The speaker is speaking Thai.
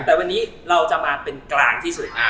แต่วันนี้เราจะมาเป็นกลางที่สุด